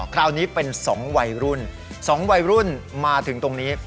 คราวนี้เป็น๒วัยรุ่น๒วัยรุ่นมาถึงตรงนี้